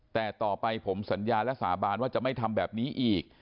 แต่ต่อไปผมสัญญาและสาบานว่าจะไม่ทำแบบนี้อีก